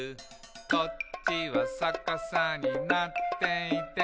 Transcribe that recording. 「こっちはさかさになっていて」